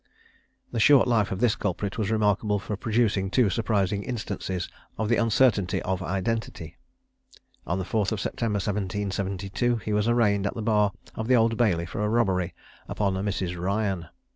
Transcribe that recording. The short life of this culprit was remarkable for producing two surprising instances of the uncertainty of identity. On the 4th of September, 1772, he was arraigned at the bar of the Old Bailey for a robbery upon a Mrs. Ryan.